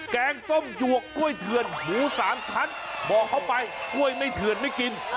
แกงส้มหยวกกล้วยเถื่อนหมูสามชั้นบอกเขาไปกล้วยไม่เถื่อนไม่กิน